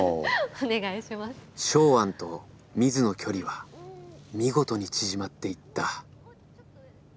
ショウアンとミズの距離は見事に縮まっていった。